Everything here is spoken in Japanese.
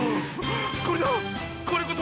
これだ！